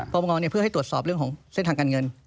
งเพื่อให้ตรวจสอบเรื่องของเส้นทางการเงิน